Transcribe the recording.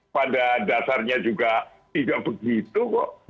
pada dasarnya juga tidak begitu kok